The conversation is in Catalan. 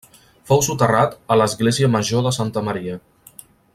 Fou soterrat a l'església Major de Santa Maria.